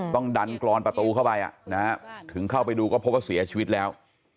ต้องดันกรอนประตูเข้าไปถึงเข้าไปดูก็พบว่าเสียชีวิตแล้ว